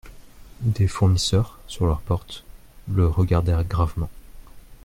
Des fournisseurs, sur leurs portes, le regardèrent gravement.